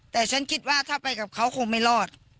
แต่ฉันคิดว่าถ้าไปกับเขาคงไม่รอด